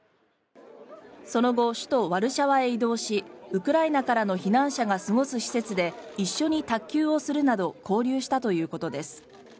その後、首都ワルシャワへ移動しウクライナからの避難者が過ごす施設で一緒に卓球をするなど交流したということです。